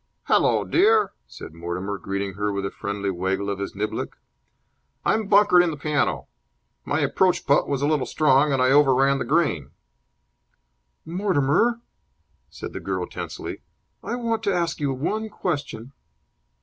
"Hallo, dear," said Mortimer, greeting her with a friendly waggle of his niblick. "I'm bunkered in the piano. My approach putt was a little strong, and I over ran the green." "Mortimer," said the girl, tensely, "I want to ask you one question."